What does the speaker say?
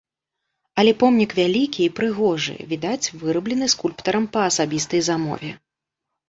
Але помнік вялікі і прыгожы, відаць, выраблены скульптарам па асабістай замове.